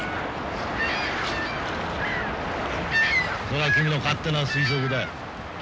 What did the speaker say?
それは君の勝手な推測だよ。